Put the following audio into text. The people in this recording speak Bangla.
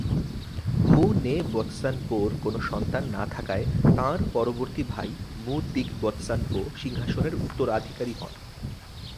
মু-নে-ব্ত্সান-পোর কোন সন্তান না থাকায় তাঁর পরবর্তী ভাই মু-তিগ-ব্ত্সান-পো সিংহাসনের উত্তরাধিকারী হন।